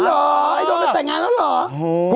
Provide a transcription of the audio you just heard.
อ๋อหรอไอ้โดมมันแต่งงานแล้วหรอ